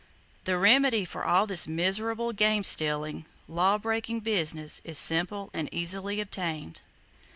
The remedy for all this miserable game stealing, law breaking business is simple and easily obtained.